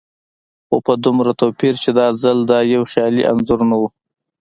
خو په دومره توپير چې دا ځل دا يو خيالي انځور نه و.